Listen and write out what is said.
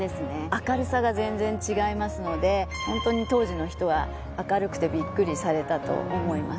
明るさが全然違いますので本当に当時の人は明るくてビックリされたと思います。